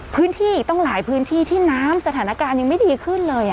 พื้นที่อีกต้องหลายพื้นที่ที่น้ำสถานการณ์ยังไม่ดีขึ้นเลย